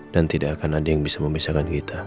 dan tidak akan ada yang bisa membesarkan kita